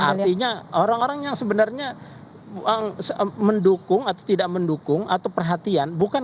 artinya orang orang yang sebenarnya mendukung atau tidak mendukung atau perhatian